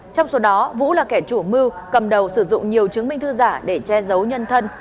trong số đó vũ là kẻ chủ mưu cầm đầu sử dụng nhiều chứng minh thư giả để che giấu nhân thân